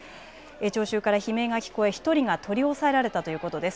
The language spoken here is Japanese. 聴衆から悲鳴が聞こえ、１人が取り押さえられたということです。